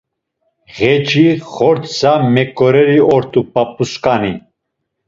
Ğeci xordza meǩoreri ort̆u p̌ap̌usǩani.